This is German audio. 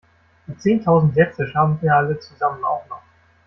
Die zehntausend Sätze schaffen wir alle zusammen auch noch!